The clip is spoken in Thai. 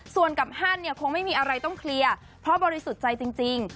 ส่วนกับฮันเนี่ยคงไม่มีอะไรต้องเคลียร์เพราะบริสุทธิ์ใจจริง